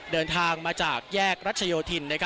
เดินทางมาจากแยกรัชโยธิน